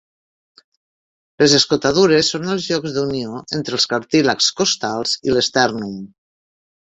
Les escotadures són els llocs d'unió entre els cartílags costals i l'estèrnum.